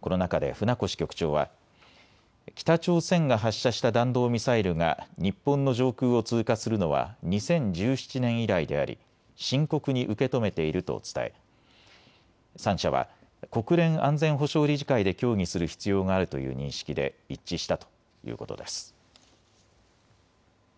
この中で船越局長は、北朝鮮が発射した弾道ミサイルが日本の上空を通過するのは２０１７年以来であり、深刻に受け止めていると伝え、３者は国連安全保障理事会で協議する必要があるという認識で一致したということです。